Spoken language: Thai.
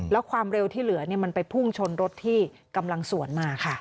แล้วความเร็วที่เหลือมันไปพุ่งชนรถที่กำลังสวนมาค่ะ